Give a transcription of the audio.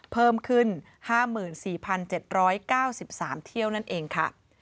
เพิ่มขึ้น๕๔๗๙๓เที่ยวนั่นเองค่ะ